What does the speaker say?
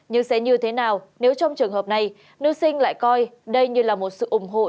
nhưng sẽ như thế nào nếu trong trường hợp này nếu sinh lại coi đây như là một sự ủng hộ